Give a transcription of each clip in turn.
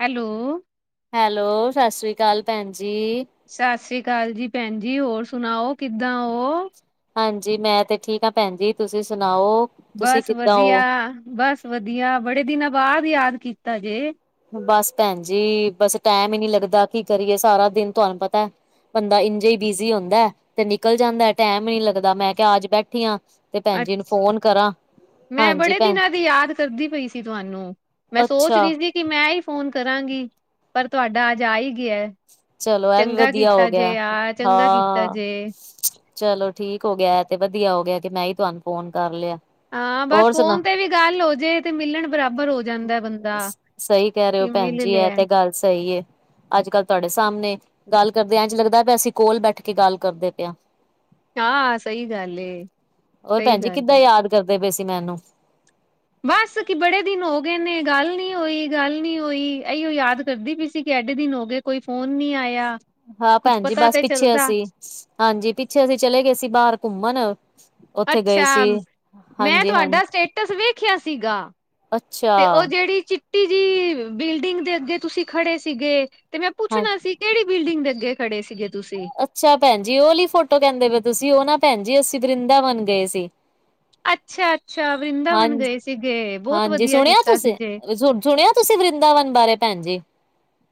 Hello. Hello, ਸਤਿ ਸ਼੍ਰੀ ਅਕਾਲ ਭੈਣ ਜੀ। ਸਤਿ ਸ੍ਰੀ ਅਕਾਲ ਜੀ ਭੈਣ ਜੀ, ਹੋਰ ਸੁਣਾਓ ਕਿੱਦਾਂ ਉਹ? ਹਾਂਜੀ, ਮੈਂ ਤੇ ਠੀਕ ਹਾਂ ਭੈਣ ਜੀ, ਤੁਸੀਂ ਸੁਣਾਓ? ਤੁਸੀਂ ਬਸ ਕਿੱਦਾਂ ਵਧੀਆ, ਹੋ? ਬਸ ਵਧੀਆ, ਬੜੇ ਦਿਨਾਂ ਬਾਅਦ ਯਾਦ ਕੀਤਾ ਜੇ? ਬਸ ਭੈਣ ਜੀ ਬਸ ਟੈਮ ਹੀ ਨੀ ਲੱਗਦਾ, ਕੀ ਕਰੀਏ ਸਾਰਾ ਦਿਨ, ਤੁਹਾਨੂੰ ਪਤਾ ਬੰਦਾ ਇੰਝ ਹੀ ਬਿਜੀ ਹੁੰਦਾ ਤੇ ਨਿਕਲ ਜਾਂਦਾ, ਟੈਮ ਨੀ ਲੱਗਦਾ ਮੈਂ ਕਿਹਾ ਆਜ ਬੈਠੀ ਹਾਂ ਤੇ ਭੈਣ ਜੀ ਨੂੰ ਅੱਛਾ, ਫੋਨ ਕਰਾਂ। ਮੈਂ ਹਾਂਜੀ ਬੜੇ ਭੈਣ ਦਿਨਾਂ ਦੀ ਯਾਦ ਕਰਦੀ ਪਈ ਸੀ ਤੁਹਾਨੂੰ, ਮੈਂ ਸੋਚ ਅੱਛਾ, ਰਹੀ ਸੀ ਕਿ ਮੈਂ ਹੀ ਫੋਨ ਕਰਾਂਗੀ, ਪਰ ਤੁਹਾਡਾ ਅੱਜ ਆ ਹੀ ਗਿਆ। ਚਲੋ ਇਹ ਵੀ ਚੰਗਾ ਵਧੀਆ ਹੋ ਕੀਤਾ ਗਿਆ, ਜੇ ਆ ਚੰਗਾ ਕੀਤਾ ਹਾਂ। ਜੇ। ਚਲੋ ਠੀਕ ਹੋ ਗਿਆ ਤੇ ਵਧੀਆ ਹੋ ਗਿਆ, ਕਿ ਮੈਂ ਹੀ ਤੁਹਾਨੂੰ ਫੋਨ ਕਰ ਲਿਆ। ਹਾਂ ਬਸ ਹੋਰ ਸੁਣਾ ਫੋਨ ਤੇ ਵੀ ਗੱਲ ਹੋਜੇ, ਤੇ ਮਿਲਣ ਬਰਾਬਰ ਹੋ ਜਾ‌ ਸਹੀ ਕਹਿ ਰਹੇ ਹੋ ਭੈਣ ਮਿਲ ਜੀ, ਇਹ ਲਿਆ, ਤੇ ਗੱਲ ਸਹੀ ਏ। ਅੱਜ- ਕੱਲ੍ਹ ਤੁਹਾਡੇ ਸਾਹਮਣੇ ਗੱਲ ਕਰਦੇ ਇੰ 'ਚ ਲੱਗਦਾ ਪਿਆ, ਅਸੀਂ ਕੋਲ ਬੈਠ ਕੇ ਗੱਲ ਕਰਦੇ ਪਿਆ। ਹਾਂ ਸਹੀ ਗੱਲ ਹੈ, ਹੋਰ ਸਹੀ ਭੈਣ ਜੀ ਗੱਲ ਕਿੱਦਾਂ ਐ। ਯਾਦ ਕਰਦੇ ਪਏ ਸੀ ਮੈਨੂੰ ਬਸ ਕਿ ਬੜੇ ਦਿਨ ਹੋ ਗਏ ਨੇ, ਗੱਲ ਨੀ ਹੋਈ, ਗੱਲ ਨੀ ਹੋਈ, ਇਓ ਯਾਦ ਕਰਦੀ ਪਈ ਸੀ ਕਿ ਐਡੇ ਦਿਨ ਹੋ ਗਏ ਕੋਈ ਫੋਨ ਨੀ ਆਇਆ। ਹਾਂ ਕੁੱਝ ਭੈਣ ਜੀ ਪਤਾ ਬਸ ਤੇ ਪਿੱਛੇ ਚੱਲਦਾ ਅਸੀਂ, ਹਾਂਜੀ, ਪਿੱਛੇ ਅਸੀਂ ਚਲੇ ਗਏ ਸੀ ਬਾਹਰ ਘੁੰਮਣ ਉੱਥੇ ਗਏ ਅੱਛਾ, ਸੀ। ਮੈਂ ਹਾਂਜੀ ਹਾਂਜੀ ਤੁਹਾਡਾ ਸਟੇਟਸ ਵੇਖਿਆ ਸੀਗਾ। ਅੱਛਾ ਤੇ ਉਹ ਜਿਹੜੀ ਚਿੱਟੀ ਜਿ, ਬਿਲਡਿੰਗ ਦੇ ਅੱਗੇ ਤੁਸੀਂ ਖੜੇ ਸੀਗੇ ਤੇ ਮੈਂ ਹਾਂ ਪੁੱਛਣਾ ਸੀ ਕਿਹੜੀ ਬਿਲਡਿੰਗ ਦੇ ਅੱਗੇ ਖੜੇ ਸੀਗੇ ਤੁਸੀਂ? ਅੱਛਾ ਭੈਣ ਜੀ ਉਹ ਲਈ ਫੋਟੋ ਕਹਿੰਦੇ ਪਏ ਤੁਸੀਂ, ਉਹ ਨਾ ਭੈਣ ਜੀ ਅਸੀਂ ਵਰਿੰਦਾ ਬਣ ਗਏ ਸੀ। ਅੱਛਾ ਅੱਛਾ, ਵਰਿੰਦਾਵਨ ਹਾਂਜੀ ਗਏ ਸੀਗੇ, ਬਹੁਤ ਹਾਂਜੀ ਵਧੀਆ ਸੁਣਿਆ ਕੀਤਾ ਸੀ ਤੁਸੀਂ ਜੇ ਸੁਣਿਆ- ਤੁਸੀਂ ਵਰਿੰਦਾਵਨ ਬਾਰੇ ਭੈਣ ਜੀ?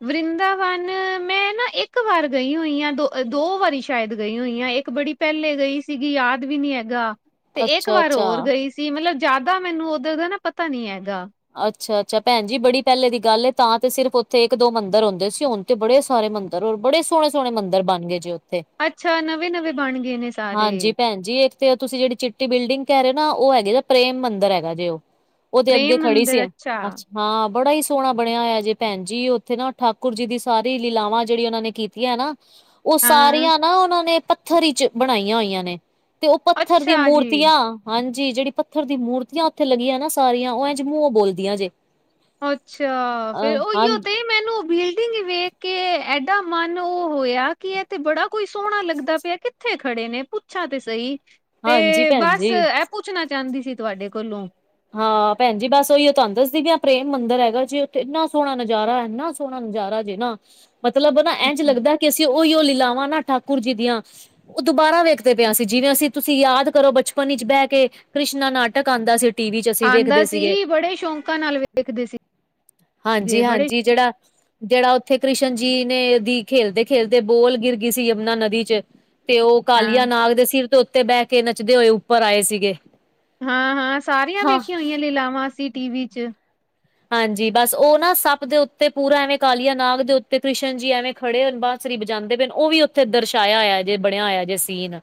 ਵਰਿੰਦਾਵਨ, ਮੈਂ ਨਾ ਇੱਕ ਵਾਰ ਗਈ ਹੋਈ ਹਾਂ, ਦੋ ਦੋ ਵਾਰੀ ਸ਼ਾਇਦ ਗਈ ਹੋਈ ਹਾਂ। ਇੱਕ ਬੜੀ ਪਹਿਲੇ ਗਈ ਸੀਗੀ, ਯਾਦ ਵੀ ਨੀ ਹੈਗਾ। ਤੇ ਇੱਕ ਅੱਛਾ ਵਾਰ ਅੱਛਾ ਹੋਰ ਗਈ ਸੀ, ਮਤਲਬ ਜ਼ਿਆਦਾ ਮੈਨੂੰ ਉੱਧਰ ਦਾ ਨਾ ਪਤਾ ਨੀ ਹੈਗਾ। ਅੱਛਾ ਅੱਛਾ ਭੈਣ ਜੀ, ਬੜੀ ਪਹਿਲੇ ਦੀ ਗੱਲ ਏ ਤਾਂ ਤੇ ਸਿਰਫ ਉੱਥੇ ਇੱਕ ਦੋ ਮੰਦਿਰ ਹੁੰਂਦੇ ਸੀ, ਹੁਣ ਬੜੇ ਸਾਰੇ ਮੰਦਰ, ਹੋਰ ਬੜੇ ਸੋਹ ਸੋਹਣੇ ਮੰਦ ਬਣ ਗਏ ਜੇ ਉੱਥੇ। ਅੱਛਾ, ਨਵੇਂ -ਨਵੇਂ ਬਣ ਗਏ ਨੇ ਸਾਰੇ। ਹਾਂਜੀ ਭੈਣ ਜੀ ਇੱਕ ਤੇ ਤੁਸੀਂ ਜਿਹੜੀ ਚਿੱਟੀ ਬਿਲਡਿੰਗ ਕਹਿ ਰਹੇ ਹੋ ਨਾ, ਉਹ ਹੈਗੇ ਪ੍ਰੇਮ ਮੰਦਿਰ ਹੈਗਾ ਜੇ ਉਹਦੇ ਅੱਗੇ ਪ੍ਰੇਮ ਖੜੀ ਮੰਦਿਰ ਸੀ, ਅੱਛਾ ਹਾਂ ਬੜਾ ਹੀ ਸੋਹਣਾ ਬਣਿਆ ਹੋਇਆ ਜੇ ਭੈਣ ਜੀ, ਉੱਥੇ ਨਾ ਠਾਕੁਰ ਜੀ ਦੀ ਸਾਰੀ ਲੀਲਾਵਾਂ, ਜਿਹੜੀ ਉਹਨਾਂ ਨੇ ਕੀਤੀ ਹੈ ਨਾ ਉਹ ਹਾਂ ਸਾਰੀਆਂ ਨਾ ਉਹਨਾਂ ਨੇ, ਪੱਥਰ 'ਚ ਬਣਾਈਆਂ ਹੋਈਆਂ ਨੇ ਤੇ ਉਹ ਪੱਥਰ ਦੀਆਂ ਅੱਛਾ ਜੀ ਮੂਰਤੀਆਂ, ਹਾਂਜੀ, ਜਿਹੜੀ ਪੱਥਰ ਦੀਆਂ ਮੂਰਤੀਆਂ ਉੱਥੇ ਲੱਗੀਆਂ ਨਾ ਸਾਰੀਆਂ ਉਹ 'ਜ ਮੂੰ ਉਹ ਬੋਲਦੀਆਂ ਜੇ। ਅੱਛਾ, ਫੇਰ ਅ ਉਹੀਓ ਹਾਂਜੀ ਤੇ ਮੈਨੂੰ ਉਹ ਬਿਲਡਿੰਗ ਵੇਖ ਕੇ ਇਡਾ ਮਨ ਉਹ ਹੋਇਆ। ਕੀ ਤੇ ਬੜਾ ਕੋਈ ਸੋਹਣਾ ਲੱਗਦਾ ਪਿਆ ਕਿੱਥੇ ਖੜੇ ਨੇ ਪੁੱਛਾਂ ਤੇ ਸਹੀ ਤੇ ਹਾਂਜੀ ਭੈਣ ਬਸ ਜੀ। ਇਹ ਪੁੱਛਣਾ ਚਾਹੁੰਦੀ ਸੀ ਤੁਹਾਡੇ ਕੋਲੋਂ ਹਾਂ ਭੈਣ ਜੀ ਬਸ ਉਹੀ ਤੁਹਾਨੂੰ ਦੱਸਦੀ ਵੀ ਪ੍ਰੇਮ ਮੰਦਿਰ ਹੈਗਾ ਜੀ ਉੱਥੇ ਇੰਨਾ ਸੋਹਣਾ ਨਜ਼ਾਰਾ ਹੈ। ਇੰਨਾ ਸੋਹਣਾ ਨਜ਼ਾਰਾ ਜੇ ਨਾ ਮਤਲਬ ਨਾ ਇਂਝ ਅੱਛਾ। ਲੱਗਦਾ ਕਿ ਅਸੀਂ ਉਹੀ ਉਹ ਲੀਲਾਵਾਂ ਨਾ ਠਾਕੁਰ ਜੀ ਦੀਆਂ- ਉਹ ਦੁਬਾਰਾ ਵੇਖਦੇ ਪਿਆ ਅਸੀਂ ਜਿਵੇਂ ਅਸੀਂ ਤੁਸੀਂ ਯਾਦ ਕਰੋ ਬਚਪਨ ਵਿੱਚ ਬਹਿ ਕੇ ਕ੍ਰਿਸ਼ਨਾ ਨਾਟਕ ਆਦਾ ਸੀ। ਟੀ ਵੀ ਚ ਅਸੀਂ ਆਉਂਦਾ ਵੇਖਦੇ ਸੀਗੇ ਸੀ ਬੜੇ ਸ਼ੌਕਾਂ ਨਾਲ ਵੇਖਦੇ ਸੀ। ਹਾਂਜੀ ਹਾਂਜੀ ਜਿਹੜਾ, ਜਿਹੜਾ ਉੱਥੇ ਕ੍ਰਿਸ਼ਨ ਜੀ ਨੇ ਦੀ ਖੇਲਦੇ ਖੇਲਦੇ ਬੋਲ ਗਿਰ ਗਈ ਸੀ ਯਮੁਨਾ ਨਦੀ ਚ ਤੇ ਉਹ ਹਾਂ। ਕਾਲੀਆ ਨਾਗ ਦੇ ਸਿਰ ਤੇ ਉੱਤੇ ਬਹਿ ਕੇ ਨੱਚਦੇ ਹੋਏ ਉੱਪਰ ਆਏ ਸੀਗੇ। ਹਾਂ ਹਾਂ ਸਾਰੀਆਂ ਹਾਂ ਵੇਖੀਆਂ ਹੋਈਆਂ ਲੈ ਲਾਵਾਂ ਅਸੀਂ ਟੀਵੀ ਚ ਹਾਂਜੀ ਬਸ ਉਹ ਨਾ ਸੱਪ ਦੇ ਉੱਤੇ ਪੂਰਾ ਐਵੇਂ ਕਾਲੀਆ ਨਾਗ ਦੇ ਉੱਤੇ ਕ੍ਰਿਸ਼ਨ ਜੀ ਐਵੇਂ ਖੜੇ ਹੋ ਬਾਂਸਰੀ ਬਜ ਜਾਂਦੇ ਪਏ ਉਹ ਵੀ ਉੱਥੇ ਦਰਸਾਇਆ ਹੋਇਆ ਜੇ ਬਣਿਆ ਹੋਇਆ ਜੇ ਸੀਨ,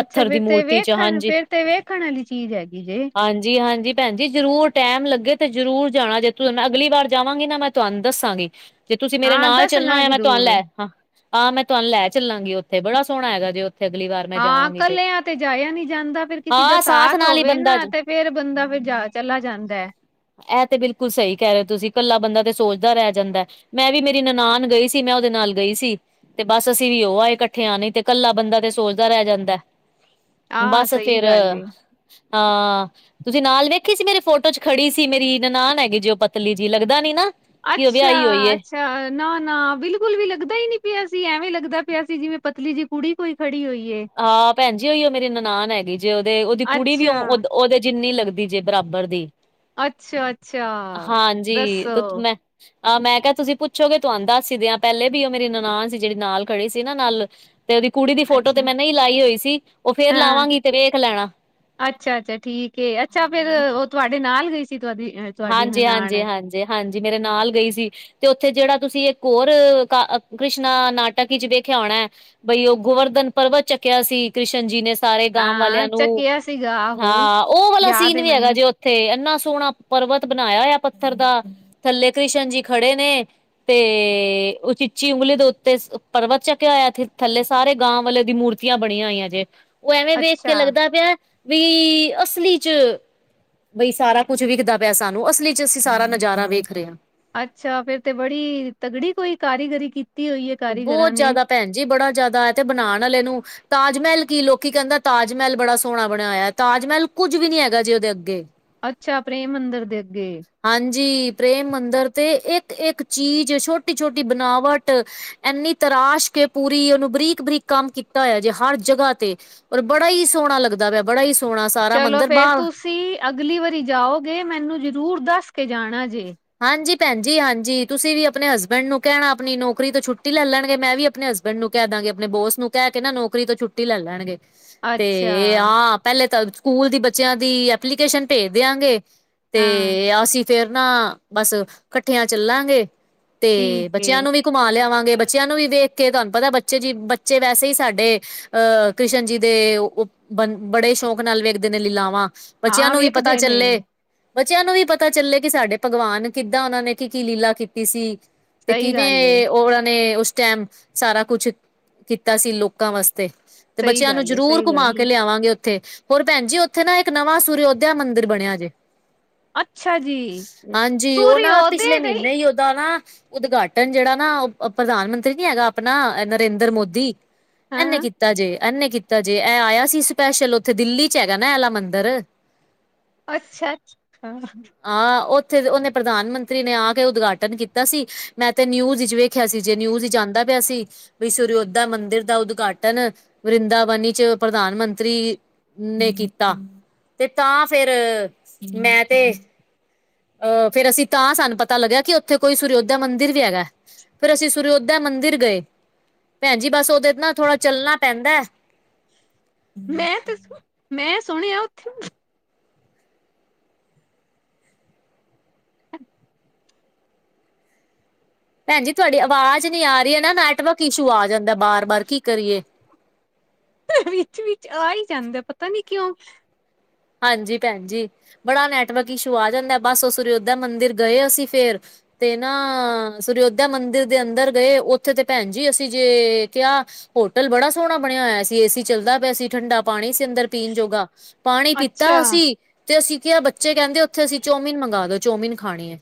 ਅੱਛਾ ਦੀ ਫੇਰ ਤੇ ਮੂਰਤੀ ਚ ਵੇਖਣ ਹਾਂਜੀ ਫੇਰ ਤੇ ਵੇਖਣ ਆਲੀ ਚੀਜ਼ ਹੈਗੀ ਜੇ ਹਾਂਜੀ ਹਾਂਜੀ, ਭੈਣ ਜੀ ਜਰੂਰ ਟੈਮ ਲੱਗੇ ਤੇ ਜਰੂਰ ਜਾਣਾ ਜੇ ਤ ਮੈਂ ਅਗਲੀ ਵਾਰ ਜਾਵਾਂਗੀ ਨਾ ਮੈਂ ਤੁਹਾਨੂੰ ਦੱਸਾਂਗੀ। ਜੇ ਤੁਸੀਂ ਮੇਰੇ ਹਾਂ ਨਾਲ ਚੱਲਣਾ ਦੱਸਣਾ ਹੋਇਆ ਮੈਂ ਤੁਹਾਨੂੰ ਜ਼ਰੂਰ ਲੈ ਹਾਂ ਆ ਮੈਂ ਤੁਹਾਨੂੰ ਲੈ ਚੱਲਾਂਗੀ ਉੱਥੇ ਬੜਾ ਸੋਹਣਾ ਹੈਗਾ ਜੇ ਅਗਲੀ ਵਾਰ, ਮੈਂ ਹਾਂ ਜਾਵਾਂਗੀ ਕੱਲਿਆਂ ਤੇ ਜਾਇਆ ਨਹੀਂ ਜਾਂਦਾ ਫਿਰ ਕਿਸੇ ਦਾ ਹਾਂ ਸਾਥ ਨਾਲ ਹੀ ਹੋਵੇ ਬੰਦਾ ਨਾ ਤੇ ਫਿਰ ਬੰਦਾ ਫਿਰ ਜਾ ਚਲਾ ਜਾਂਦਾ ਹੈ। ਇਹ ਤੇ ਬਿਲਕੁਲ ਸਹੀ ਕਹਿ ਰਹੇ ਹੋ ਤੁਸੀਂ ਇਕੱਲਾ ਬੰਦਾ ਤੇ ਸੋਚਦਾ ਰਹਿ ਜਾਂਦਾ। ਮੈਂ ਵੀ ਮੇਰੀ ਨਨਾਨ ਗਈ ਸੀ ਮੈਂ ਉਹਦੇ ਨਾਲ ਗਈ ਸੀ। ਤੇ ਬਸ ਅਸੀਂ ਵੀ ਉਹ ਆਏ ਇਕੱਠੇ ਆ ਨੀ ਤੇ ਕੱਲਾ ਬੰਦਾ ਤੇ ਸੋਚਦਾ ਰਹਿ ਜਾਂਦਾ। ਆਹ ਬਸ ਸਹੀ ਫਿਰ ਗੱਲ ਏ। ਹਾਂ ਤੁਸੀਂ ਨਾਲ ਵੇਖੀ ਸੀ ਮੇਰੀ ਫੋਟੋ ਚ ਖੜੀ ਸੀ ਮੇਰੀ ਨਨਾਨ ਹੈਗੀ ਜੀ ਉਹ ਪਤਲੀ ਜੀ ਲੱਗਦਾ ਨੀ ਨਾ ਕਿ ਉਹ ਅੱਛਾ ਵਿਆਹੀ ਹੋਈ ਏ ਅੱ ਨਾ ਨਾ ਬਿਲਕੁਲ ਵੀ ਲੱਗਦਾ ਹੀ ਨ ਪਿਆ ਸੀ ਐਵੇਂ ਲੱਗਦਾ ਪਿਆ ਸੀ ਜਿਵੇਂ ਪਤਲੀ ਜਿ ਕੁੜੀ ਕੋਈ ਖੜੀ ਹੋਈ ਹੈ। ਹਾਂ ਭੈਣਜੀ ਓ ਉਹ ਮੇਰੀ ਨਨਾਨ ਹੈਗੀ ਜੇ ਉਹਦੇ ਉਹਦੀ ਕੁੜੀ ਵੀ ਅੱਛਾ ਦੇ ਜਿੰਨੀ ਲੱਗ ਜੇ ਬਰਾਬਰ ਦੀ ਅੱਛਾ-ਅੱਛਾ, ਹਾਂਜੀ ਦੱਸੋ ਤੇ ਮੈਂ ਆਹ ਮੈਂ ਕਿਹਾ ਤੁਸੀਂ ਪੁੱਛੋਗੇ ਤੁਹਾਨੂੰ ਦੱਸ ਦਈਏ ਆ ਪਹਿਲੇ ਵੀ ਉਹ ਮੇਰੀ ਨਨਾਨ ਸੀ ਜਿਹੜੀ ਨਾਲ ਖੜੀ ਸੀ ਨਾ ਨਾਲ ਤੇ ਉਹਦੀ ਕੁੜੀ ਫੋਟੋ ਅੱਛਾ ਤੇ ਮੈਂ ਨਹੀਂ ਲਾਈ ਹੋਈ ਸੀ ਉਹ ਫਿਰ ਲਾਵਾਂਗੀ ਤੇ ਵੇਖ ਲੈਣਾ ਅੱਛਾ ਅੱਛਾ ਠੀਕ ਅੱਛਾ ਫਿਰ ਉਹ ਤੁਹਾਡੇ ਨਾਲ ਗਈ ਸੀ ਤੁਹਾਡੀ ਅ ਤੁਹਾਡੀ ਹਾਂਜੀ, ਹਾਂਜੀ, ਨਨਾਣ ਹਾਂਜੀ, ਹਾਂਜੀ ਮੇਰੇ ਨਾਲ ਗਈ ਸੀ। ਤੇ ਉੱਥੇ ਜਿਹੜਾ ਤੁਸੀਂ ਇੱਕ ਹੋਰ ਕ੍ਰਿਸ਼ਨਾ ਨਾਟਕ ਵਿਚ ਵੇਖਿਆ ਹੋਣਾ ਹੈ। ਬਈ ਉਹ ਗੋਵਰਧਨ ਪਰਬਤ ਚੱਕਿਆ ਸੀ ਕ੍ਰਿਸ਼ਨ ਜੀ ਨੇ ਸਾਰੇ ਗਾਂ ਵਾਲਿਆਂ ਹਾਂ ਨੂੰ ਚੱਕਿਆ ਸੀਗਾ ਆਹੋ, ਹਾਂ ਉਹ ਵਾਲਾ ਯਾਦ ਸੀਨ ਏ ਵੀ ਹੈਗਾ ਮੈਨੂੰ ਜੇ ਉੱਥੇ ਇਨਾ ਸੋਹਣਾ ਪਰਵਤ ਬਣਾਇਆ ਹੋਇਆ ਪੱਥਰ ਦਾ ਥੱਲੇ ਕ੍ਰਿਸ਼ਨ ਜੀ ਖੜੇ ਨੇ ਤੇ ਉਹ ਚੀਚੀ ਉਂਗਲੀ ਦੇ ਉੱਤੇ ਪਰਵਤ ਚੱਕ ਹੋਇਆ ਥੱਲੇ ਸਾਰੇ ਗਾਂ ਵਾਲੇ ਦੀ ਮੂੂਰ ਮੂਰਤੀਆਂ ਬਣੀਆਂ ਹੋਈਆਂ ਜੇ ਉਹ ਐਵੇਂ ਵੇਖ ਕੇ ਅੱਛਾ। ਲੱਗਦਾ ਪਿਆ ਵੀ ਅਸਲੀ ਚ ਬਈ ਸਾਰਾ ਕੁਛ ਵਿਕਦਾ ਸਾਨੂੰ ਅਸਲੀ ਚ ਅਸੀਂ ਸਾਰਾ ਨਜ਼ਾਰਾ ਵੇਖ ਰਹੇ ਹਾਂ। ਅੱਛਾ ਫਿਰ ਤੇ ਬੜੀ ਤਗੜੀ ਕੋਈ ਕਾਰੀਗਰੀ ਕੀਤੀ ਹੋਈ ਹੈ। ਬਹੁਤ ਜਿਆਦਾ ਭੈਣ ਜੀ ਬੜਾ ਜਿਆਦਾ ਤੇ ਬਣਾਉਣ ਵਾਲੇ ਨੂੰ ਤਾਜ ਮਹਿਲ ਕੀ ਲੋਕੀ ਕਹਿੰਦਾ ਤਾਜ ਮਹਿਲ ਬੜਾ ਸੋਹਣਾ ਬਣਿਆ ਹੋਇਆ ਤਾਜ ਮਹਿਲ ਕੁੱਝ ਵੀ ਨੀ ਹੈਗਾ ਜੇ ਉਹਦੇ ਅੱਗੇ ਅੱਛਾ ਪ੍ਰੇਮ ਮੰਦਰ ਦੇ ਅੱਗੇ। ਹਾਂਜੀ ਪ੍ਰੇਮ ਮੰਦਰ ਤੇ ਇੱਕ- ਇੱਕ ਚੀਜ਼ ਛੋਟੀ-ਛੋਟੀ ਬਣਾਵਟ। ਇੰਨੀ ਤਰਾਸ਼ ਕੇ ਪੂਰੀ ਉਹਨੂੰ ਬਰੀਕ -ਬਰੀਕ ਕੰਮ ਕੀਤਾ ਹੋਆ ਜੇ ਹਰ ਜਗ੍ਹਾ ਤੇ। ਪਰ ਬੜਾ ਹੀ ਸੋਹਣਾ ਲੱਗਦਾ ਵਾ ਬੜਾ ਹੀ ਸੋਹਣਾ ਸਾਰਾ ਚਲੋ ਮੰਦਿਰ ਫੇਰ ਬਾਹਰ ਤੁਸੀਂ ਅਗਲੀ ਵਾਰੀ ਜਾਓਗੇ ਮੈਨੂੰ ਜ਼ਰੂਰ ਦੱਸ ਕੇ ਜਾਣਾ ਜੇ। ਹਾਂਜੀ ਭੈਣਜੀ ਹਾਂਜੀ ਤੁਸੀਂ ਵੀ ਆਪਣੇ ਹਸਬੈਂਡ ਨੂੰ ਕਹਿਣਾ ਆਪਣੀ ਨੌਕਰੀ ਤੋਂ ਛੁੱਟੀ ਲੈ ਲੈਣਗੇ ਮੈਂ ਵੀ ਆਪਣੇ ਹਸਬ ਬੈਡ ਨੂੰ ਕਹਿ ਦਾਂਗੇ ਆਪਣੇ ਬੋਸ ਨੂੰ ਕਹਿ ਕੇ ਨਾ ਨੌਕਰੀ ਤੋਂ ਛੁੱਟੀ ਲੈ ਲੈਣਗੇ। ਤੇ ਅੱਛਾ, ਆਹ ਪਹਿਲੇ ਤਾਂ ਸਕੂਲ ਦੀ ਬੱਚਿਆਂ ਦੀ ਐਪਲੀਕੇਸ਼ਨ ਭੇਜ ਦਿਆਂਗੇ। ਤੇ ਹਾਂ ਅਸੀਂ ਫੇਰ ਨਾ, ਬਸ ਇਕੱਠਿਆਂ ਚੱਲਾਂਗੇ। ਤੇ ਠੀਕ ਬੱਚਿਆਂ ਏ, ਨੂੰ ਵੀ ਘਮਾ ਲਿਆਵਾਂਗੇ ਬੱਚਿਆਂ ਨੂੰ ਵੀ ਵੇਖ ਕੇ ਤੁਹਾਨੂੰ ਪਤਾ ਬੱਚੇ ਜਿੱ- ਬੱਚੇ ਵੈਸੇ ਈ ਸਾਡੇ ਅਹ ਕ੍ਰਿਸ਼ਨ ਜੀ ਦੇ ਉਹ ਬ -ਬੜੇ ਸ਼ੌਕ ਨਾਲ ਵੇਖਦੇ ਨੇ ਲੀਲਾਵਾਂ। ਬੱਚਿਆਂ ਹਾਂ ਨੂੰ ਵੀ ਪਤਾ ਵੇਖਦੇ ਨੇ ਚੱਲੇ। ਬੱਚਿਆਂ ਨੂੰ ਵੀ ਪਤਾ ਚੱਲੇ ਕਿ ਸਾਡੇ ਭਗਵਾਨ ਕਿੱਦਾਂ ਉਹਨਾਂ ਨੇ ਕੀ- ਕੀ ਲੀਲਾ ਕੀਤੀ ਸੀ। ਤੇ ਸਹੀ ਗੱਲ ਏ। ਕਿਵੇਂ ਔਵਰਾ ਨੇ ਉਸ ਟਾਈਮ ਸਾਰਾ ਕੁਛ, ਕੀਤਾ ਸੀ ਲੋਕਾਂ ਵਾਸਤੇ। ਤੇ ਸਹੀ ਬੱਚਿਆਂ ਨੂੰ ਗੱਲ ਏ, ਜ਼ਰੂਰ ਸਹੀ ਗੱਲ ਘੁਮਾ ਕੇ ਏ, ਲਿਆਵਾਂਗੇ ਉੱਥੇ ਹੋਰ ਭੈਣ ਜੀ ਉੱਥੇ ਨਾ ਇੱਕ ਨਵਾਂ ਸੁਰੋਧਿਆ ਮੰਦਿਰ ਬਣਿਆ ਜੇ। ਅੱਛਾ ਜੀ। ਹਾਂਜੀ, ਉਹ ਨਾ ਪਿਛਲੇ ਸੂਰਯੋਦੈ ਨਹੀਂ, ਮਹੀਨੇ ਹੀ ਦਾ ਨਾ, ਉਦਘਾਟਨ ਜਿਹੜਾ ਨਾ ਉਹ ਪ੍ਰਧਾਨ ਮੰਤਰੀ ਨੀ ਹੈਗਾ ਆਪਣਾ ਨਰਿੰਦਰ ਮੋਦੀ ਇਹਨੇ ਹਾਂ ਕੀਤਾ ਜੇ, ਐਨੇ ਕੀਤਾ ਜੇ, ਇਹ ਆਇਆ ਸੀ ਸਪੈਸ਼ਲ ਉੱਥੇ ਦਿੱਲੀ ਚ ਹੈਗਾ ਨਾ ਇਹਲਾ ਮੰਦਿਰ। ਅੱਛਾ-ਅੱਛ ਹਾਂ। ਹਾਂ ਉਹ ਉਥੇ ਉਹਨੇ ਪ੍ਰਧਾਨ ਮੰਤਰੀ ਨੇ ਆ ਕੇ ਉਦਘਾਟਨ ਕੀਤਾ ਸੀ ਮੈਂ ਤੇ ਨਿਊਜ਼ ਵਿੱਚ ਵੇਖਿਆ ਸੀ ਜੇ ਨਿਊਜ਼ ਆਦਾ ਪਿਆ ਸੀ। ਵੀ ਸੋਰਯੋਧਿਆ ਮੰਦਿਰ ਦਾ ਉਦਘਾਟਨ, ਵਰਿੰਦਾਵਨੀ ਚ ਪ੍ਰਧਾਨ ਮੰਤਰੀ ਨੇ ਕੀਤਾ। ਤੇ ਤਾਂ ਫੇਰ ਮੈਂ ਤੇ ਅਹ ਫੇਰ ਅਸੀਂ ਤਾਂ ਸਾਨੂੰ ਪਤਾ ਲੱਗਿਆ ਕਿ ਉੱਥੇ ਕੋਈ ਸੋਰਯੋਧਿਆ ਮੰਦਿਰ ਵੀ ਹੈਗਾ। ਫੇਰ ਅਸੀਂ ਸੁਰਯੋਧਿਆ ਮੰਦਿਰ ਗਏ, ਭੈਣ ਜੀ ਬਸ ਉਹਦੇ ਤੇ ਨਾ ਥੋੜਾ ਚੱਲਣਾ ਪੈਂਦਾ ਮੈਂ ਦੱਸੂ, ਮੈਂ ਸੁਣਿਆ ਉੱਥੇ ਭੈਣ ਜੀ ਤੁਹਾਡੀ ਆਵਾਜ਼ ਨੀ ਆ ਰਹੀ ਹੈ ਨਾ ਨੈਟਵਰਕ ਇਸ਼ੂ ਆ ਜਾਂਦਾ ਬਾਰ -ਬਾਰ ਕੀ ਕਰੀਏ? ਵਿੱਚ -ਵਿਚ ਆ ਹੀ ਜਾਂਦਾ ਪਤਾ ਨੀ ਕਿਉਂ। ਹਾਂਜੀ ਭੈਣ ਜੀ, ਬੜਾ ਨੈਟਵਰਕ ਇਸ਼ੂ ਆ ਜਾਂਦਾ। ਬਸ ਉਹ ਸੁਰਯੋਧਿਆ ਮੰਦਿਰ ਗਏ ਅਸੀਂ ਫੇਰ ਤੇ ਨਾ ਸੁਰਯੋਧਿਆ ਮੰਦਿਰ ਦੇ ਅੰਦਰ ਗਏ ਉੱਥੇ ਤੇ ਭੈਣ ਜੀ ਅਸੀਂ ਜੇ ਕਿਹਾ ਹੋਟਲ ਬੜਾ ਸੋਹਣਾ ਬਣਿਆ ਹੋਇਆ ਸੀ ਏਸੀ ਚੱਲਦਾ ਪਿਆ ਸੀ ਠੰਡਾ ਪਾਣੀ ਸੀ ਅੰਦਰ ਪੀਣ ਜੋਗਾ, ਪਾਣੀ ਅੱਛਾ, ਪੀਤਾ ਅਸੀਂ ਤੇ ਅਸੀਂ ਕ ਬੱਚੇ ਕਹਿੰਦੇ ਉੱਥੇ ਅਸੀਂ ਚੌਮੀਨ ਮੰਗਵਾ ਦੋ ਚੋਮੀਨ ਖਾਣੀ ਐ।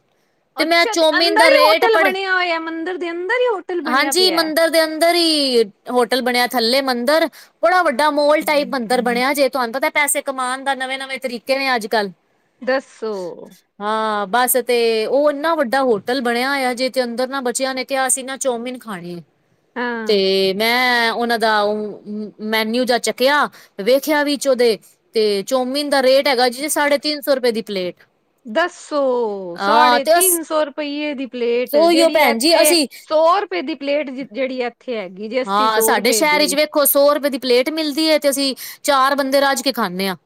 ਅੱਛਾ ਤੇ ਅੰਦਰ ਹੀ ਹੋਟਲ ਬਣਿਆ ਹੋਇਆ ਮੰਦਿਰ ਦੇ ਅੰਦਰ ਹੀ ਹੋਟਲ ਬਣਿਆ ਹਾਂਜੀ ਪਿਆ। ਮੰਦਿਰ ਦੇ ਅੰਦਰ ਹੀ ਹੋਟਲ ਬਣਿਆ ਥੱਲੇ ਮੰਦਿਰ ਬੜਾ ਵੱਡਾ ਮੋਲ ਟਾਈਪ ਮੰਦਿਰ ਬਣਿਆ ਜੇ ਤੁਹਾਨੂੰ ਤਾਂ ਪੈਸੇ ਕਮਾਣ ਨਵੇਂ -ਨਵੇਂ ਤਰੀਕੇ ਨੇ ਅੱਜ ਕੱਲ੍ਹ। ਦੱਸੋ। ਹਾਂ ਬਸ ਤੇ ਉਹ ਇੰਨਾ ਵੱਡਾ ਹੋਟਲ ਬਣਿਆ ਆਜੇ ਤੇ ਅੰਦਰ ਨਾ ਬਚਿਆ ਨੇ ਕਿਹਾ ਸੀਂ ਨਾ ਚੌਮਿਨ ਖਾਣੇ ਐ। ਹਾਂ। ਤੇ ਮੈਂ ਉਹਨਾਂ ਦਾ ਉ ਮੈਨਿਊ ਜਾਂ ਚੱਕਿਆ ਵੇਖਿਆ ਵਿੱਚ ਉਹਦੇ ਤੇ ਚੌਮਿਨ ਦਾ ਰੇਟ ਹੈਗਾ ਜੀ ਸਾਢੇ ਤਿੰਨ ਸੌ ਰੁਪਏ ਦੀ ਪਲੇਟ। ਦੱਸੋ ਹਾਂ ਸਾਢੇ ਤੇ ਤਿੰਨ ਸੌ ਰੁਪਈਏ ਦੀ ਪਲੇਟ ਉਹੀਓ ਜਿਹੜੀ ਭੈਣ ਜੀ ਇੱਥੇ ਅਸੀਂ ਸੌ ਰੁਪਏ ਦੀ ਪਲੇਟ ਜਿਹੜੀ ਆ ਇੱਥੇ ਹੈਗੀ ਜੇ ਅੱਸੀ ਸੌ ਰੁਪਏ ਦੀ। ਦੇਖੋ ਸੌ ਰੁਪਏ ਦੀ ਪਲੇਟ ਮਿਲਦੀ ਐ ਤੇ ਅਸੀਂ ਚਾਰ ਬੰਦੇ ਰੱਜ ਕੇ ਖਾਣੇ ਆ।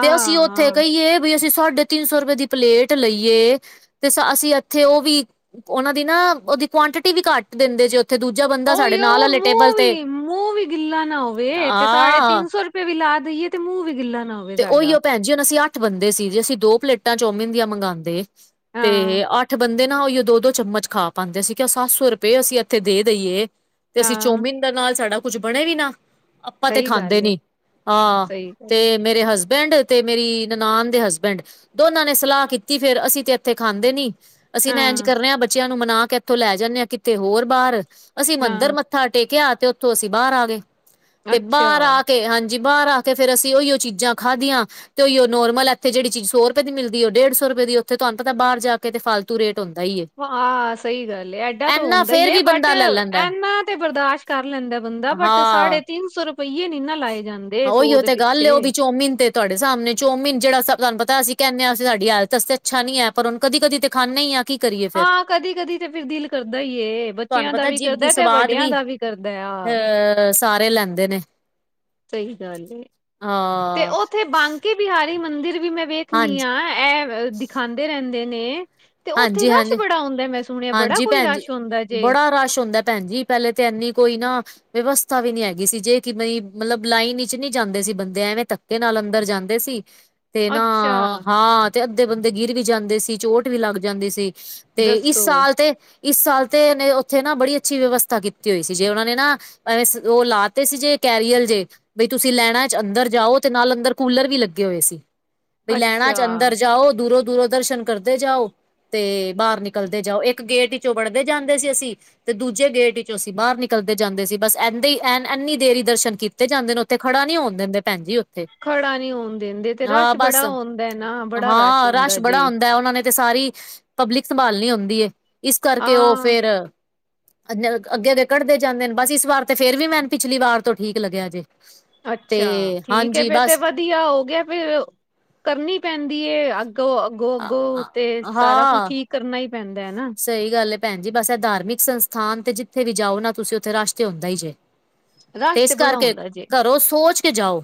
ਤੇ ਅਸੀਂ ਉੱਥੇ ਹਾਂ। ਕਹੀਏ ਵੀ ਅਸੀਂ ਸਾਢੇ ਤਿੰਨ ਸੌ ਰੁਪਏ ਦੀ ਪਲੇਟ ਲਈਏ ਤੇ ਅਸੀਂ ਇੱਥੇ ਓ ਵੀ ਉਹਨਾਂ ਦੀ ਨਾ ਉਹਦੀ ਕੁਆਂਟਿਟੀ ਵੀ ਘੱਟ ਦਿੰਦੇ ਜੇ ਉੱਥੇ ਦੂਜਾ ਬੰਦਾ ਸਾਢੇ ਉਹੀਓ ਨਾਲ ਆਲੇ ਟੇਬਲ ਮੂੰਹ ਤੇ, ਵੀ ਮੂੰਹ ਵੀ ਗਿੱਲਾ ਨਾ ਹੋਵੇ ਤੇ ਸਾਢੇ ਤਿੰਨ ਸੌ ਵੀ ਲਾ ਦੇਈਏ ਤੇ ਮੂੰਹ ਵੀ ਗਿੱਲਾ ਨਾ ਹੋਵੇ ਤੇ ਸਾਡਾ ਓਇਓ ਭੈਣ ਜੀ ਹੁਣ ਅਸੀਂ ਅੱਠ ਬੰਦੇ ਸੀ ਜੇ ਅਸੀਂ ਦੋ ਪਲੇਟਾਂ ਚੌਮਿਨ ਦੀਆਂ ਮੰਗਾਂਦੇ। ਤੇ ਹਾਂ ਅੱਠ ਬੰਦੇ ਨਾ ਉਈ ਦੋ ਦੋ ਚਮਚ ਖਾ ਪਾਂਦੇ ਅਸੀਂ ਕਿਆ ਸੱਤ ਸੌ ਰੁਪਏ ਅਸੀਂ ਇੱਥੇ ਦੇ ਦੇਈਏ ਤੇ ਅਸੀਂ ਹਾਂ ਚੌਮੀਨ ਨਾਲ ਸਾਡਾ ਕੁੱਝ ਬਣੇ ਵੀ ਨਾ ਆਪਾਂ ਤੇ ਸਹੀ ਖਾਂਦੇ ਗੱਲ ਏ ਨੀ ਹਾਂ ਸਹੀ ਗੱਲ ਏ। ਤੇ ਮੇਰੇ ਹਸਬੈਂਡ ਤੇ ਮੇਰੀ ਨਨਾਣ ਦੇ ਹਸਬੈਂਡ। ਦੋਨਾਂ ਨੇ ਸਲਾਹ ਕੀਤੀ ਫੇਰ ਅਸੀਂ ਤੇ ਇੱਥੇ ਖਾਂਦੇ ਨੀ। ਅਸੀਂ ਨਾ ਇੰਜ ਹਾਂ ਕਰਨੇ ਆ ਬੱਚਿਆਂ ਨੂੰ ਮਨਾ ਕੇ ਇੱਥੋਂ ਲੈ ਜਾਣੇ ਆ ਕਿਤੇ ਹੋਰ ਬਾਹਰ। ਅਸੀਂ ਮੰਦਿਰ ਹਾਂ ਮੱਥਾ ਟੇਕਿਆ ਤੇ ਉੱਥੋਂ ਅਸੀਂ ਬਾਹਰ ਆ ਗਏ ਤੇ ਅੱਛਾ ਬਾਹਰ ਆ ਕੇ ਹਾਂਜੀ। ਜੀ ਬਾਰ ਆ ਕੇ ਫੇਰ ਅਸੀਂ ਉਹੀਓ ਚੀਜ਼ਾਂ ਖਾਧੀਆਂ। ਤੇ ਓਇਓ ਨੋਰਮਲ ਇੱਥ ਜਿਹੜੀ ਚੀਜ਼ ਸੌ ਰੁਪਏ ਦੀ ਮਿਲਦੀ ਉਹ ਡੇ ਸੌ ਰੁਪਏ ਦੀ ਉੱਥੇ ਤੁਹਾਨੂੰ ਪਤਾ ਬਾਹਰ ਜਾ ਜਾ ਕੇ ਤੇ ਫਾਲਤੂ ਰੇਟ ਹੁੰਦਾ ਈ ਐ। ਹਾਂ, ਸਹੀ ਗੱਲ ਏਡਾ ਤਾਂ ਹੁੰਦਾ ਫੇਰ ਹੀ ਵੀ ਬਟ ਬੰਦਾ ਲੈ ਲੈਂਦਾ ਐਨਾ ਤੇ ਬਰਦਾਸ਼ਤ ਕਰ ਲੈਂਦਾ ਬੰਦਾ ਬਟ ਹਾਂ ਸਾਢੇ ਤਿੰਨ ਸੌ ਰੁਪਈਏ ਨੀ ਨਾ ਲਾਏ ਜਾਂਦੇ ਸੌ ਦੇ ਪਿੱਛੇ। ਚੌਮੀਨ ਤੇ ਤੁਹਾਡੇ ਸਾਹਮਣੇ ਚੋਮੀਨ ਜਿਹੜਾ ਤੁਹਾਨੂੰ ਪਤਾ ਅਸੀਂ ਕਹਿਣੇ ਆ ਸਾਡੀ ਸਿਹਤ ਵਾਸਤੇ ਅੱਛਾ ਨੀ ਐ ਪਰ ਹੁਣ ਕਦੀ ਕਦੀ ਤੇ ਖਾਣੇ ਆ। ਕੀ ਕਰੀਏ ਫਿਰ ਹਾਂ, ਕਦੀ ਕਦੀ ਤੇ ਫਿਰ ਦਿਲ ਕਰਦਾ ਈ ਐ ਤੁਹਾਨੂੰ ਬੱਚਿਆਂ ਦਾ ਪਤਾ ਵੀ ਜੀਭ ਦੀ ਕਰਦਾ ਤੇ ਵੱਡਿਆਂ ਦਾ ਵੀ ਕਰਦਾ ਆ। ਅ ਸਾਰੇ ਲੈਂਦੇ ਨੇ। ਸਹੀ ਗੱਲ ਐ ਤੇ ਹਾਂ ਉੱਥੇ ਬਾਂਕੀ ਬਿਹਾਰੀ ਮੰਦਿਰ ਵੀ ਮੈਂ ਵੇਖਣੀ ਹਾਂਜੀ ਐ ਇਹ ਦਿਖਾਂਦੇ ਰਹਿੰਦੇ ਨੇ। ਤੇ ਉੱਥੇ ਹਾਂਜੀ ਰਸ਼ ਹਾਂਜੀ ਬੜਾ ਆਉਂਦਾ ਮੈਂ ਸੁਣਿਆ ਬੜਾ ਹਾਂਜੀ ਕੋਈ ਭੈਣ ਜੀ ਰਸ਼ ਆਉਂਦਾ ਜੇ। ਬੜਾ ਰਸ਼ ਹੁੰਦਾ। ਭੈਣ ਜੀ ਪਹਿਲੇ ਤੇ ਇਨੀ ਕੋਈ ਨਾ ਵਿਵਸਥਾ ਵੀ ਨੀ ਹੈਗੀ ਸੀ ਜੇ ਕਿਵੇ ਮਤਲਬ ਲਾਈਨ ਵਿਚ ਨੀ ਜਾਂਦੇ ਸੀ ਬੰਦੇ ਐਵੇਂ ਧੱ ਦੇ ਨਾਲ ਅੰਦਰ ਜਾਂਦੇ ਸੀ। ਤੇ ਨਾ ਅੱਛਾ। ਹਾਂ ਤੇ ਅੱਧੇ ਬੰਦੇ ਗਿਰ ਵੀ ਜਾਂਦੇ ਸੀ ਚੋਟ ਵੀ ਲੱਗ ਜਾਂਦੀ ਸੀ। ਤੇ ਇਸ ਦੱਸੋ ਸਾਲ ਤੇ ਇਸ ਸਾਲ ਤੇ ਉੱਥੇ ਨਾ ਬੜੀ ਅੱਛੀ ਵਿਵਸਥਾ ਕੀਤੀ ਹੋਈ ਸੀ ਜੇ ਉਹਨਾਂ ਨੇ ਨਾ ਓ ਲਾਤੇ ਸੀ ਜੇ ਕੈਰੀਅਲ ਜੇ। ਬਈ ਤੁਸੀਂ ਲੈਨਾ ਚ ਅੰਦਰ ਜਾਓ ਤੇ ਨਾਲ ਅੰਦਰ ਕੂਲਰ ਵੀ ਲੱਗੇ ਹੋਏ ਸੀ। ਵੀ ਲੈਣਾ ਅੱਛਾ। ਚ ਅੰਦਰ ਜਾਓ ਦੂਰੋਂ ਦੂਰੋਂ ਦਰਸ਼ਨ ਕਰਦੇ ਜਾਓ। ਤੇ ਬਾਰ ਨਿਕਲਦੇ ਜਾਓ ਇੱਕ ਗੇਟ ਵਿਚੋਂ ਵੜਦੇ ਜਾਂਦੇ ਸੀ ਅਸੀਂ। ਤੇ ਦੂਜੇ ਗੇਟ ਵਿੱਚੋਂ ਅਸੀਂ ਬਾਹਰ ਨਿਕਲਦੇ ਜਾਂਦੇ ਸੀ ਬਸ ਏਦਾਂ ਐ ਇੰਨੀ ਦੇਰ ਈ ਦਰਸ਼ਨ ਕੀ ਜਾਂਦੇ ਉੱਥੇ ਖੜਾ ਨੀ ਹੋਣ ਦਿੰਦੇ ਭੈਣਜੀ। ਖੜਾ ਨੀ ਹੋਣ ਦਿੰਦੇ ਤੇ ਹਾਂ, ਰਸ਼ ਬਸ ਬੜਾ ਹੁੰਦਾ ਨਾ ਬੜਾ ਹਾਂ ਰਸ਼ ਹੁੰਦਾ ਬੜਾ ਜੇ। ਹੁੰਦਾ ਉਹਨਾਂ ਨੇ। ਤੇ ਸਾਰੀ ਪਬਲਿਕ ਸੰਭਾਲਣੀ ਹੁੰਦੀ ਐ ਇਸ ਕਰਕੇ ਉਹ ਹਾਂ ਫੇਰ ਅੱਗੇ ਅੱਗੇ ਕੱਢਦੇ ਜਾਂਦੇ ਨੇ ਬਸ ਇਸ ਵਾਰ ਤੇ ਫੇਰ ਵੀ ਮੈਨੂੰ ਪਿਛਲੀ ਵਾਰ ਤੋਂ ਠੀਕ ਲੱਗਿਆ ਜੇ ਤੇ ਅੱਛਾ ਠੀਕ ਹੈ ਹਾਂਜੀ ਫੇਰ ਤੇ ਬਸ ਵਧੀਆ ਹੋ ਗਿਆ ਫੇਰ ਕਰਨੀ ਪੈਂਦੀ ਅੱਗੇ ਗੋ ਅਗੋ ਅਗੋ ਤੇ ਸਾਰਾ ਕੁਝ ਹਾਂ ਠੀਕ ਕਰਨਾ ਹੀ ਪੈਂਦਾ ਹੈ ਨਾ। ਸਹੀ ਗੱਲ ਹੈਏ ਭੈਣ ਜੀ ਬਸ ਇਹ ਧਾਰਮਿਕ ਸੰਸਥਾਨ ਤੇ ਜਿੱਥੇ ਵੀ ਜਾਓ ਨਾ ਤੁਸੀਂ ਉੱਥੇ ਰਸ਼ ਤੇ ਹਉੁਦਾ ਹੀ ਜੇ ਤੇ ਰਸ਼ ਇਸ ਬੜਾ ਕਰਕੇ ਹੁੰਦਾ ਜੇ। ਘਰੋ ਸੋਚ ਕੇ ਜਾਓ।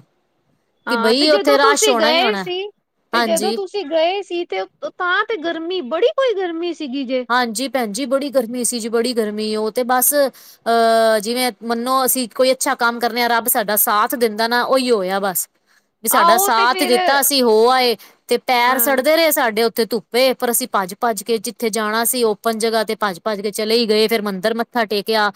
ਕਿ ਹਾਂ ਤੇ ਬਈ ਜਦੋਂ ਇੱਥੇ ਰਸ਼ ਤੁਸੀਂ ਹੋਣਾ ੲ ਗਏ ਹੋਣਾ, ਸੀ ਤੇ ਜਦੋਂ ਹਾਂਜੀ। ਤੁਸੀਂ ਗਏ ਸੀ ਤੇ ਤਾਂ ਤੇ ਗਰਮੀ ਬੜੀ ਕੋਈ ਗਰਮੀ ਸੀਗੀ ਜੇ। ਹਾਂਜੀ ਭੈਣ ਜੀ ਬੜੀ ਗਰਮੀ ਸੀ ਜੀ ਬੜੀ ਗਰਮੀ ਉਹ ਤੇ ਬਸ ਅਹ ਜਿਵੇਂ ਮੰਨੋ ਅਸੀਂ ਕੋਈ ਅੱਛਾ ਕੰਮ ਕਰਨੇ ਹਾਂ ਰੱਬ ਸਾਡਾ ਸਾਥ ਦਿੰਦਾ ਨਾ ਉਹੀ ਹੋਇਆ ਬਸ। ਵੀ ਸਾਡਾ ਆਹੋ ਤੇ ਸਾਥ ਫੇਰ ਦਿੱਤਾ ਅਸੀਂ ਹੋ ਆਏ ਤੇ ਪੈਰ ਹਾਂ ਸੜਦੇ ਰਹੇ ਸਾਡੇ ਉੱ ਉੱਥ ਧੁੱਪੇ ਪਰ ਅਸੀਂ ਭੱਜ ਭੱਜ ਕੇ ਉੱਥੇ ਜਾਣਾ ਸੀ ਓਪਨ ਜਗ੍ਹਾ ਤੇ ਭੱਜ ਭੱਜ ਕੇ ਚਲੇ ਹੀ ਗਏ ਫੇਰ ਮੰਦਿਰ ਮੱਥਾ ਟੇਕਿਆ।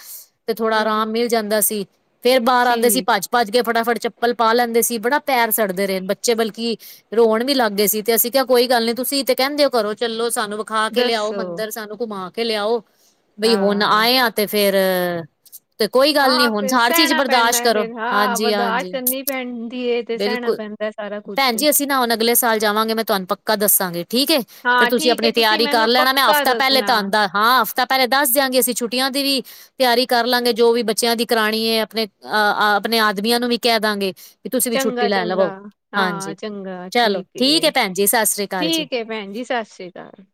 ਤੇ ਥੋੜਾ ਹਾਂ ਆਰਾਮ ਮਿਲ ਜਾਂਦਾ ਸੀ ਫੇਰ ਬਾਹਰ ਆਉਂਦੇ ਸੀ ਠੀਕ ਭੱਜ ਭੱਜ ਕੇ ਫਟਾਫਟ ਚੱਪਲ ਪਾ ਲੈਂਦੇ ਸੀ ਬੜਾ ਪੈਰ ਸੜਦੇ ਰਹੇ ਬੱਚੇ ਬਲਕਿ ਰੋਣ ਵੀ ਲੱਗ ਗਏ ਸੀ ਤੇ ਅਸੀਂ ਕਿਹਾ ਕੋਈ ਗੱਲ ਨੀ ਤੁਸੀਂ ਤੇ ਕਹਿੰਦੇ ਹੋ ਘਰੋ ਚਲੋ ਸਾਨੂੰ ਵਿਖਾ ਕੇ ਲਿਆਓ ਦੱਸੋ ਮੰਦਿਰ ਸਾਨੂੰ ਘੁਮਾ ਕੇ ਲਿਆਓ ਬਈ ਹੁਣ ਹਾਂ ਆਏ ਆ ਤੇ ਫੇਰ ਤੇ ਕੋਈ ਗੱਲ ਨੀ ਹਾਂ ਹੁਣ ਫਿਰ ਸਾੜਚੀਜ ਸਹਿਣਾ ਪੈਂਦਾ ਬਰਦਾਸ਼ਤ ਹੈ ਕਰੋ ਫਿਰ ਹਾਂ ਹਾਂਜੀ ਬਰਦਾਸ਼ਤ ਹਾਂਜੀ। ਕਰਨੀ ਪੈਂਦੀ ਏ ਤੇ ਸਹਿਣਾ ਬਿਲਕੁਲ ਪੈਂਦਾ ਹੈ ਸਾਰਾ ਕੁਛ ਭੈਣ ਜੀ ਅਸੀਂ ਨਾ ਹੁਣ ਅਗਲੇ ਸਾਲ ਜਾਵਾਂਗੇ ਮੈਂ ਤੁਹਾਨੂੰ ਪ ਦੱਸਾਂਗੇ ਠੀਕ ਏ, ਫੇਰ ਹਾਂ ਤੁਸੀਂ ਠੀਕ ਹੈ ਆਪਣੀ ਤਿਆਰੀ ਕਰ ਮੈਨੂੰ ਲੈਣਾ ਮੈਂ ਪੱਕਾ ਹਫ਼ਤਾ ਪਹਿਲੇ ਦੱਸਣਾ ਤਾਂ ਦਾ। ਹਾਂ ਹਫ਼ਤਾ ਪਹਿਲੇ ਦੱਸ ਦਿਆਂਗੇ ਅਸੀਂ ਛੁੱਟੀਆਂ ਦੀ ਵੀ ਤਿਆਰੀ ਕਰ ਲਾਂਗੇ ਜੋ ਵੀ ਬੱਚਿਆਂ ਦੀ ਕਰਾਣੀ ਹੈ ਆਪਣੇ ਅ ਆਪਣੇ ਆਦਮੀਆਂ ਨੂੰ ਵੀ ਕਹਿ ਦਾਂਗੇ। ਵੀ ਤੁਸੀਂ ਵੀ ਛੁੱਟੀ ਚੰਗਾ ਲੈ ਲਵੋ ਚੰਗਾ ਹਾਂ ਹਾਂਜੀ ਚੰਗਾ ਚਲੋ ਠੀਕ ਏ ਹੈ ਭੈਣ ਜੀ ਸਤਿ ਸ੍ਰੀ ਅਕਾਲ ਜੀ। ਠੀਕ ਹੈ ਭੈਣ ਜੀ ਸਤਿ ਸ਼੍ਰੀ ਅਕਾਲ।